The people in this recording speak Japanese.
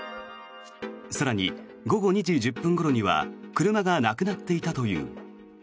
更に、午後２時１０分ごろには車がなくなっていたという。